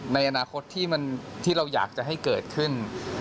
ในอนาคตที่เราอยากจะให้เกิดขึ้น